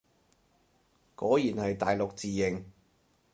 果然係大陸字形